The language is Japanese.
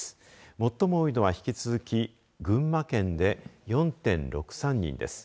最も多いのは、引き続き群馬県で４．６３人です。